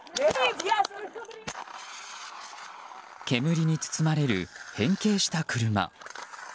煙に包まれる変形した車。